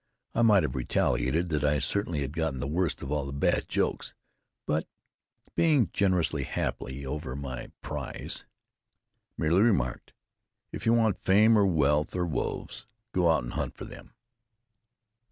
I might have retaliated that I certainly had gotten the worst of all the bad jokes; but, being generously happy over my prize, merely remarked: "If you want fame or wealth or wolves, go out and hunt for them."